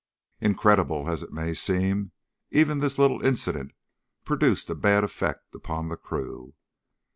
Incredible as it may seem, even this little incident produced a bad effect upon the crew.